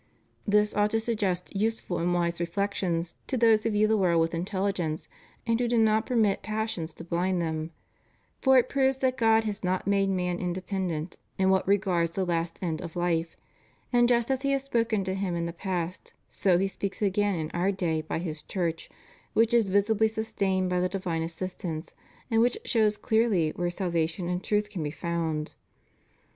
This ought to suggest useful and Vvdse reflections to those who view the world with intelligence, and who do not peimit pas sions to blind them ; for it proves that God has not made man independent in what regards the last end of hfe, and just as He has spoken to him in the past so He speaks again in our day by His Church, which is visibly sustained by the divine assistance and which shows clearl} where salvation and truth can be found.